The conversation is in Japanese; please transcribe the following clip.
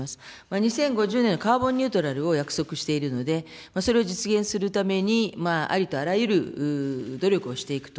２０５０年カーボンニュートラルを約束しているので、それを実現するために、ありとあらゆる努力をしていくと。